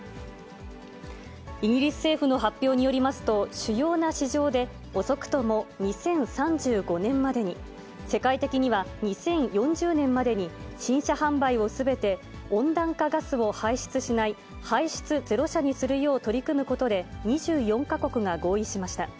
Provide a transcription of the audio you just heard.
イギリス政府の発表によりますと、主要な市場で遅くとも２０３５年までに、世界的には２０４０年までに、新車販売をすべて温暖化ガスを排出しない排出ゼロ車にするよう取り組むことで、２４か国が合意しました。